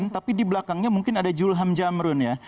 tapi di belakangnya mungkin ada julham jamrun ya